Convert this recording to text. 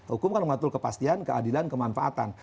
hukum kan mengatur kepastian keadilan kemanfaatan